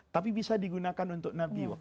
tapi bisa digunakan untuk nabi